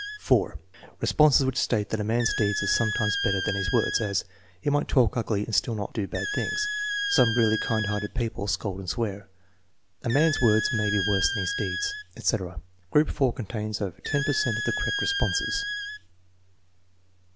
(4) Responses which state that a man's deeds are sometimes better than his words; as: "He might talk ugly and still not do bad things." "Some really kind hearted people scold and swear." "A man's words may be worse than his deeds," TEST NO. X, 5 271 etc. Group (4) contains over 10 per cent of the correct responses.